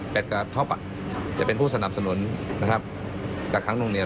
เป็ดกับท็อปจะเป็นผู้สนับสนุนกักขังหนุ่งเหนี่ยว